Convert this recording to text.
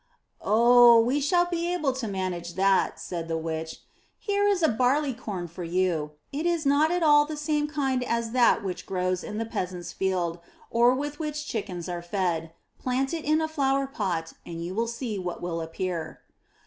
'' '*0h, we shall be able to manage that," said the witch. Here is a barley corn for you; it is not at all the same kind as that which grows in the peasant's field, or with which chickens are fed; plant it in a flowerpot, and you will see what will appear."